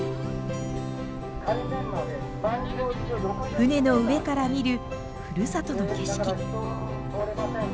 船の上から見るふるさとの景色。